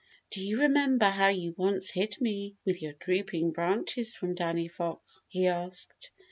"Do you remember how you once hid me with your drooping branches from Danny Fox?" he asked.